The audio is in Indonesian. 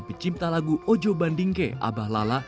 pecinta lagu ojo bandingke abah lala